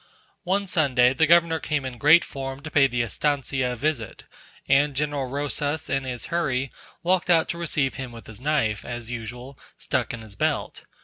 One Sunday the Governor came in great form to pay the estancia a visit, and General Rosas, in his hurry, walked out to receive him with his knife, as usual, stuck in his belt.